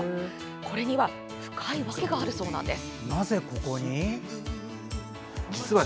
これには深いわけがあるそうなんです。